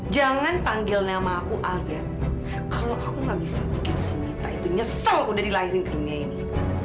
jangan panggil nama aku alia kalau aku nggak bisa bikin si mita itu nyesel udah dilahirin ke dunia ini